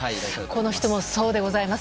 この人もそうでございます。